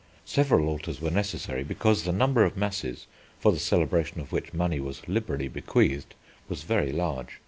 Several altars were necessary because the number of masses, for the celebration of which money was liberally bequeathed, was very large.